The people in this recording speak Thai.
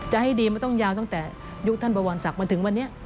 จะให้ดีมันต้องยาวตั้งแต่ยุคท่านบวรศักดิ์มาถึงวันนี้